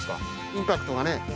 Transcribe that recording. インパクトがね。